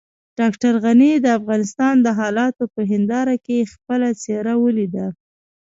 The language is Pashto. ډاکټر غني د افغانستان د حالاتو په هنداره کې خپله څېره وليده.